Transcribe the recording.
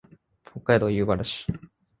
北海道夕張市